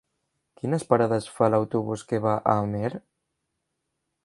Quines parades fa l'autobús que va a Amer?